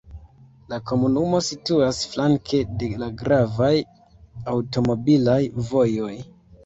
La komunumo situas flanke de la gravaj aŭtomobilaj vojoj.